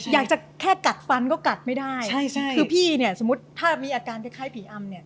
อยากจะแค่กัดฟันก็กัดไม่ได้ใช่ใช่คือพี่เนี่ยสมมุติถ้ามีอาการคล้ายผีอำเนี่ย